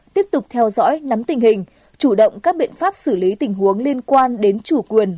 tiếp tục theo dõi nắm tình hình chủ động các biện pháp xử lý tình huống liên quan đến chủ quyền